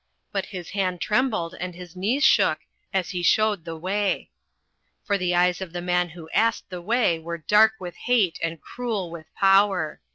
But his hand trembled and his knees shook as he showed the way. For the eyes of the man who asked the way were dark with hate and cruel with power.